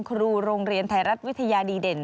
ครูโรงเรียนไทยรัฐวิทยาดีเด่น